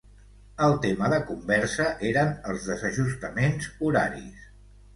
El tema de conversa eren els desajustaments horaris.